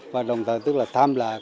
và đồng thời tham lạc